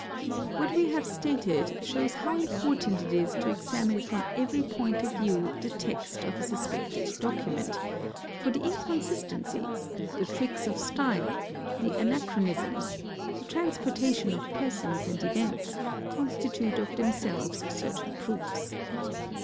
_ What we have stated shows how important it is to examine from ery point of view the text of a suspected document, for the inconsis 768 CHEATING AND FRAUD A tencies, the tricks of style, the anachronisms, the transposition of per . sons and events, constitute of themselves certain proofs.